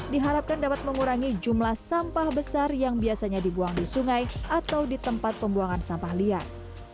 diharapkan dapat mengurangi jumlah sampah besar yang biasanya dibuang di sungai atau di tempat pembuangan sampah liar